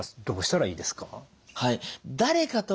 どうしたらいいですか？